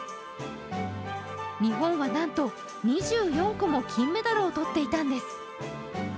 日本はなんと２４個も金メダルを取っていたんです。